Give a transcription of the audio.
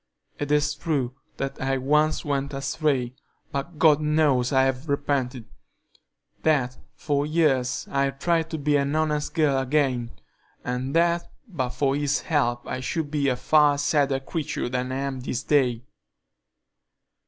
"It is true that I once went astray, but God knows I have repented; that for years I've tried to be an honest girl again, and that but for His help I should be a far sadder creature than I am this day.